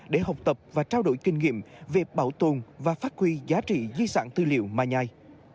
để học tập và trao đổi kinh nghiệm về bảo tồn và phát huy giá trị di sản tư liệu mai nhai